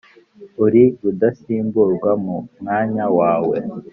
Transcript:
uri rudasimburwa mu mwanya wawe